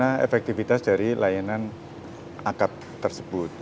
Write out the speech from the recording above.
yang mana efektivitas dari layanan akap tersebut